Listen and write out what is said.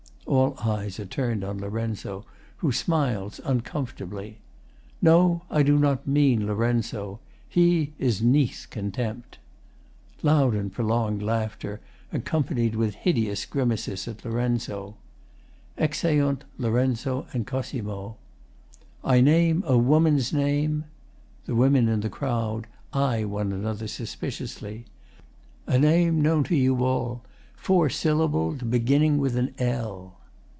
[All eyes are turned on LOR., who smiles uncomfortably.] No, I do not mean Lorenzo. He Is 'neath contempt. [Loud and prolonged laughter, accompanied with hideous grimaces at LOR. Exeunt LOR. and COS.] I name a woman's name, [The women in the crowd eye one another suspiciously.] A name known to you all four syllabled, Beginning with an L.